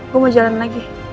gue mau jalanin lagi